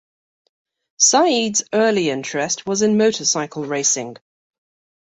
Said's early interest was in motorcycle racing.